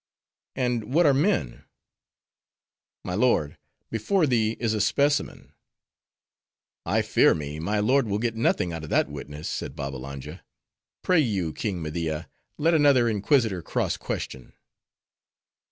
"And what are men?" "My lord, before thee is a specimen." "I fear me, my lord will get nothing out of that witness," said Babbalanja. "Pray you, King Media, let another inquisitor cross question."